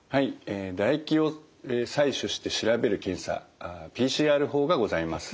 え唾液を採取して調べる検査ＰＣＲ法がございます。